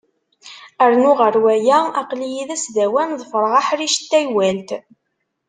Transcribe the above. Rnu ɣer waya, aql-iyi d asdawan, ḍefreɣ aḥric n taywalt.